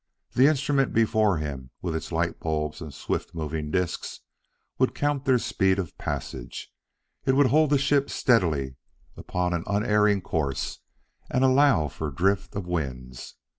The instrument before him, with its light bulbs and swift moving discs, would count their speed of passage; it would hold the ship steadily upon an unerring course and allow for drift of winds.